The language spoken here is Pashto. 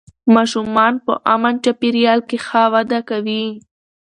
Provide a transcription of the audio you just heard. ماشومان په امن چاپېریال کې ښه وده کوي